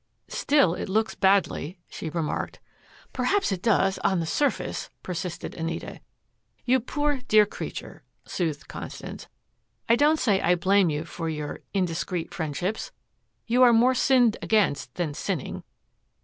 "Still, it looks badly," she remarked. "Perhaps it does on the surface," persisted Anita. "You poor dear creature," soothed Constance. "I don't say I blame you for your indiscreet friendships. You are more sinned against than sinning."